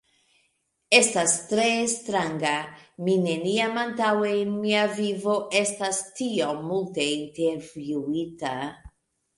Estas tre stranga! Mi neniam antaŭe en mia vivo, estas tiom multe intervjuita!